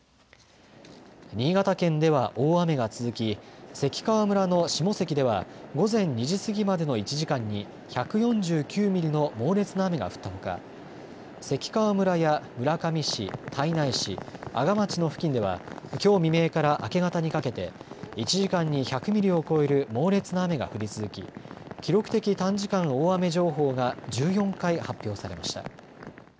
新潟県では大雨が続き関川村の下関では午前２時過ぎまでの１時間に１４９ミリの猛烈な雨が降ったほか関川村や村上市、胎内市、阿賀町の付近ではきょう未明から明け方にかけて１時間に１００ミリを超える猛烈な雨が降り続き記録的短時間大雨情報が１４回発表されました。